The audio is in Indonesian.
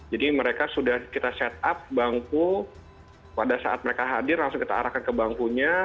jadi mereka sudah kita set up bangku pada saat mereka hadir langsung kita arahkan ke bangkunya